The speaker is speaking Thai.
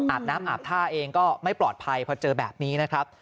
น้ำอาบท่าเองก็ไม่ปลอดภัยพอเจอแบบนี้นะครับ